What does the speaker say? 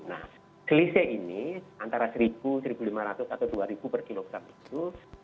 nah selisih ini antara satu satu lima ratus atau dua per kilo per jam itu